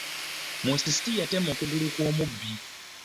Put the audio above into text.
Musisi yatema okugulu kw'omubbi.